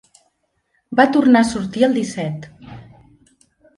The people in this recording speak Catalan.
Va tornar a sortir el disset.